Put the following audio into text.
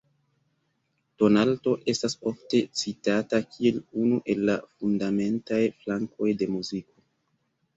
Tonalto estas ofte citata kiel unu el la fundamentaj flankoj de muziko.